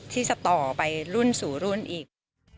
ที่จะต่อไปรุ่นสู่รุ่นอีก